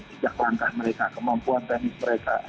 sejak langkah mereka kemampuan teknis mereka